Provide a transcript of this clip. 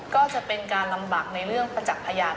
ก็จะเป็นการลำบากในเรื่องประจักษ์พยาน